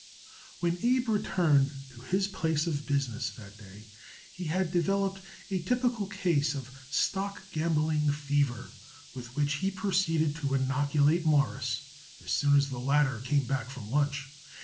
When Abe returned to his place of business that day he had developed a typical case of stock gambling fever, with which he proceeded to inoculate Morris as soon as the latter came back from lunch.